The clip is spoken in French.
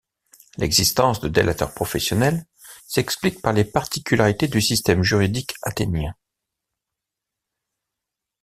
L’existence de délateurs professionnels s’explique par les particularités du système juridique athénien.